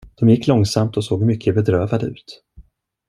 De gick långsamt och såg mycket bedrövade ut.